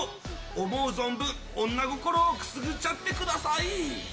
思う存分、女心をくすぐっちゃってください！